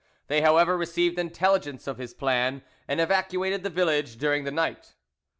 They, however, received intelligence of his plan, and evacuated the village during the night.